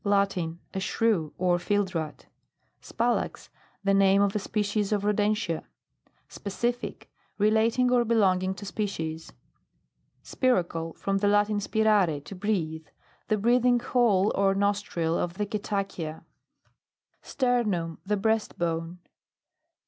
Latin. A Shrew, or fieldrat. SPALAX. The name of a species of rodentia. SPECIFIC. Relating or belonging to species. SPIRACLE. From the Latin, spirare, to breathe. The breathing hole or nostril of the cetacea. STERNUM The breast bone.